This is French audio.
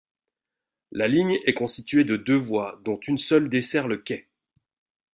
La ligne est constituée de deux voies dont une seule dessert le quai.